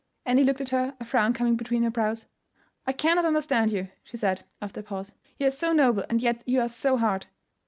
Annie looked at her, a frown coming between her brows. "I cannot understand you," she said, after a pause. "You are so noble, and yet you are so hard.